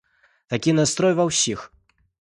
Такі настрой ва ўсіх.